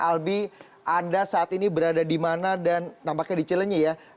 albi anda saat ini berada di mana dan nampaknya di cilenyi ya